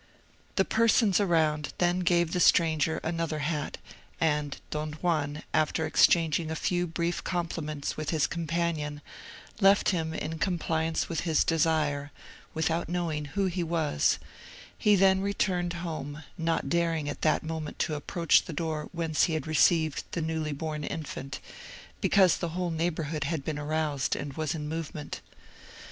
The persons around then gave the stranger another hat, and Don Juan, after exchanging a few brief compliments with his companion, left him, in compliance with his desire, without knowing who he was: he then returned home, not daring at that moment to approach the door whence he had received the newly born infant, because the whole neighbourhood had been aroused, and was in movement.